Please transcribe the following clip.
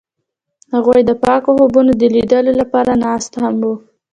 هغوی د پاک خوبونو د لیدلو لپاره ناست هم وو.